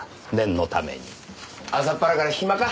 朝っぱらから暇か？